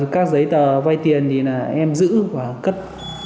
các giấy tờ vay tiền thì là em giữ và cất